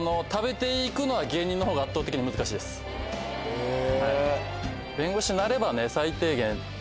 へぇ。